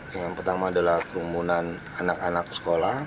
yang pertama adalah kerumunan anak anak sekolah